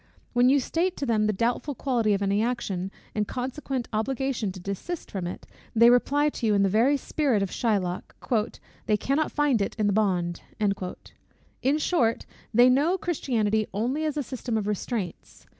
When you state to them the doubtful quality of any action, and the consequent obligation to desist from it, they reply to you in the very spirit of Shylock, "they cannot find it in the bond." In short, they know Christianity only as a system of restraints.